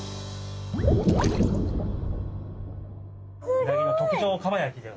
うなぎの特上蒲焼きでございます。